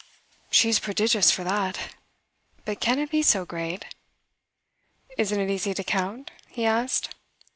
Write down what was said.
"She's prodigious for that. But can it be so great?" "Isn't it easy to count?" he asked.